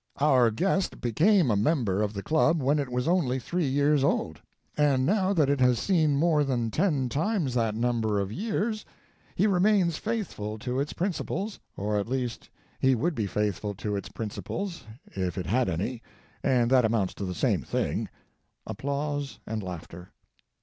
"Our guest became a member of the club when it was only three years old, and now that it has seen more than ten times that number of years, he remains faithful to its principles, or at least he would be faithful to its principles, if it had any, and that amounts to the same thing. [Applause and laughter.